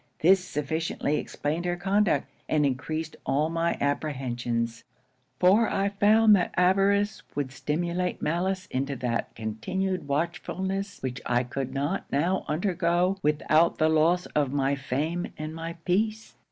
This sufficiently explained her conduct, and encreased all my apprehensions; for I found that avarice would stimulate malice into that continued watchfulness which I could not now undergo without the loss of my fame and my peace.